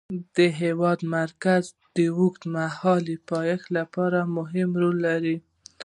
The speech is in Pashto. د هېواد مرکز د اوږدمهاله پایښت لپاره مهم رول لري.